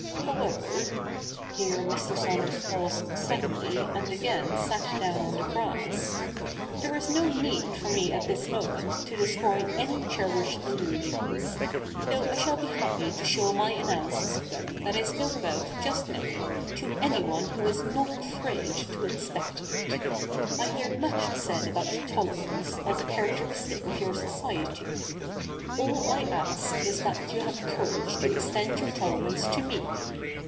However,' here Mr. Saunders paused "suddenly and again sat down on the grass, ' there is no need for me at this moment to destroy any cherished illusions ; though I shall be happy to show my analysis of them that I spoke about just now to anyone who is not afraid to inspect it. I hear much said about tolerance, as a characteristic of your society. All I ask is, that you have the courage to extend your tolerance to me.